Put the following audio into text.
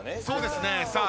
そうですね。